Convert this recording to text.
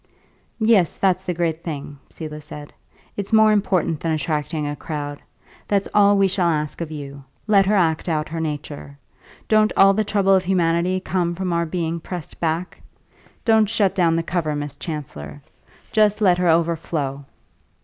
"Yes, that's the great thing," Selah said; "it's more important than attracting a crowd. That's all we shall ask of you; let her act out her nature. Don't all the trouble of humanity come from our being pressed back? Don't shut down the cover, Miss Chancellor; just let her overflow!"